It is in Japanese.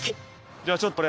じゃちょっと俺。